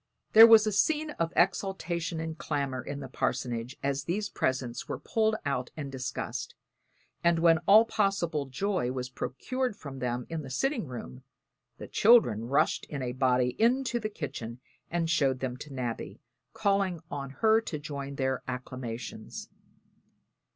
There was a scene of exultation and clamor in the parsonage as these presents were pulled out and discussed; and when all possible joy was procured from them in the sitting room, the children rushed in a body into the kitchen and showed them to Nabby, calling on her to join their acclamations.